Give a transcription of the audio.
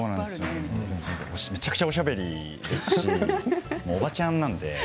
めちゃくちゃおしゃべりですしおばちゃんなんで。